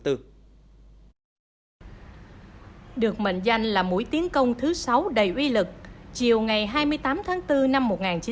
được mệnh danh là mũi tiến công thứ sáu đầy uy lực chiều ngày hai mươi tám tháng bốn năm một nghìn chín trăm bảy mươi năm